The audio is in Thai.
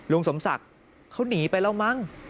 ลุงสมศักดิ์เขาหนีไปแล้วมั้ง